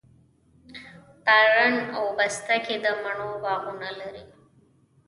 تارڼ اوبښتکۍ د مڼو باغونه لري.